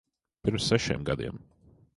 Pirms sešiem gadiem.